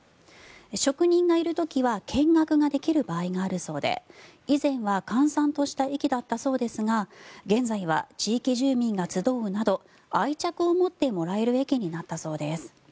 職人がいる時は見学ができる場合があるそうで以前は閑散とした駅だったそうですが現在は地域住民が集うなど愛着を持ってもらえる駅になったそうです。